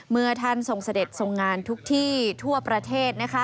เมื่อท่านทรงเสด็จทุกที่ทั่วประเทศ